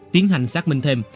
tiến hành xác minh thêm